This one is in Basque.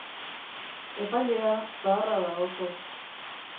Epailea zaharra da, oso.